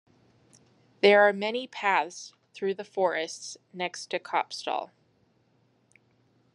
There are many paths through the forests next to Kopstal.